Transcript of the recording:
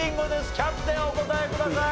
キャプテンお答えください。